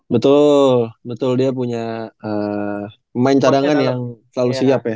betul betul dia punya main cadangan yang selalu siap ya